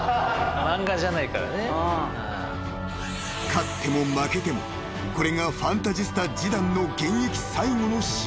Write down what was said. ［勝っても負けてもこれがファンタジスタジダンの］